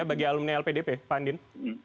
bagi alumni lpdp pak andin